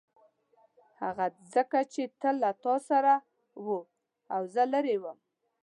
هغه ځکه چې تل له تا سره و او زه لیرې وم.